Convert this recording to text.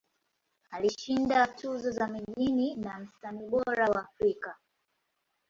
Alishinda tuzo za mijini za Msanii Bora wa Afrika.